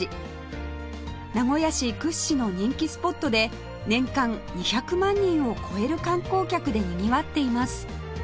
名古屋市屈指の人気スポットで年間２００万人を超える観光客でにぎわっています